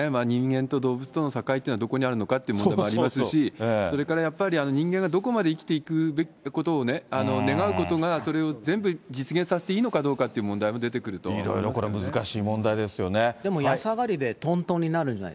人間と動物との境っていうのはどこにあるかっていう問題がありますし、それからやっぱり、人間がどこまで生きていくことを願うことが、それを全部実現させていいのかどうかっていう問題も出てくると思いろいろこれ、難しい問題ででも安上がりでトントンにな